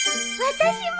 私も！